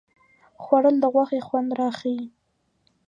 خوړل د غوښې خوند راښيي